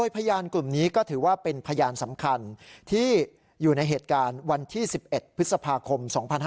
พยานสำคัญที่อยู่ในเหตุการณ์วันที่๑๑พฤษภาคม๒๕๖๓